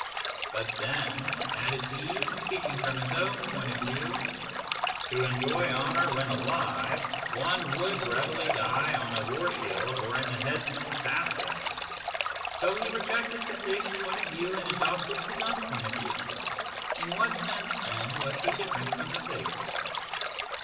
... But then, added he, speaking from his own point of view, to enjoy honour when alive one would readily die on a war shield or in the headsman s basket. So he rejected the pigs point of view and adopted his own point of view. In what sense, then, was he different from the pigs